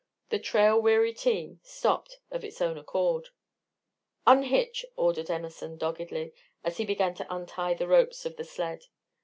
The trail weary team stopped of its own accord. "Unhitch!" ordered Emerson, doggedly, as he began to untie the ropes of the sled.